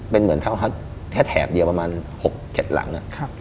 เป็นเหมือนทาวน์เฮาส์แถวแถวเดียวประมาณ๖๗หลัง